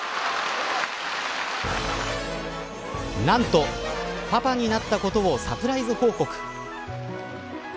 何と、パパになったことをサプライズ報告。